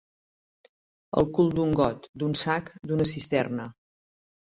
El cul d'un got, d'un sac, d'una cisterna.